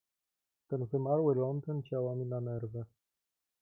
"Ten wymarły Londyn działa mi na nerwy."